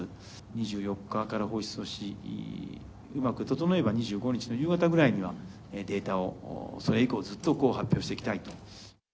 ２４日から放出をし、うまく整えば２５日の夕方ぐらいには、データをそれ以降、ずっと発表していきたいと。